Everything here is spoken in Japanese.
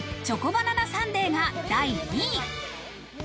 チョコバナナサンデーが第２位。